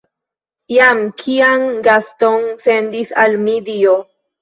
Jen kian gaston sendis al mi Dio!